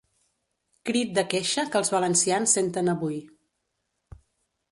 Crit de queixa que els valencians senten avui.